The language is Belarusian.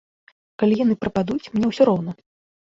Калі яны прападуць, мне ўсё роўна.